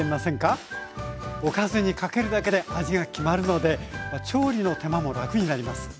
おかずにかけるだけで味が決まるので調理の手間も楽になります。